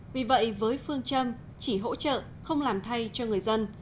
vì vậy với phương châm chỉ hỗ trợ không làm thay cho người dân